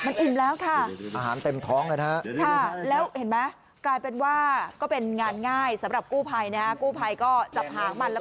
งานหมูของกู้ภัยเลยนะคะ